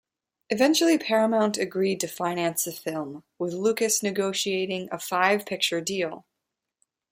Eventually Paramount agreed to finance the film, with Lucas negotiating a five-picture deal.